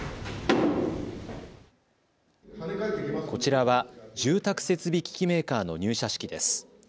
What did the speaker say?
こちらは住宅設備機器メーカーの入社式です。